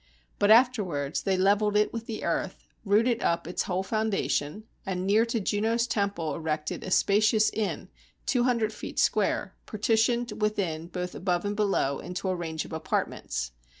But afterwards they leveled it with the earth, rooted up its whole foundation, and near to Juno's tem ple erected a spacious inn two hundred feet square, par titioned within both above and below into a range of apartments.